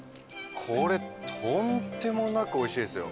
これとんでもなくおいしいですよ。